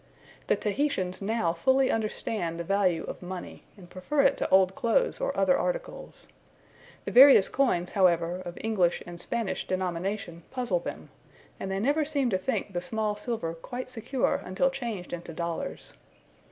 The Tahitians now fully understand the value of money, and prefer it to old clothes or other articles. The various coins, however, of English and Spanish denomination puzzle them, and they never seemed to think the small silver quite secure until changed into dollars.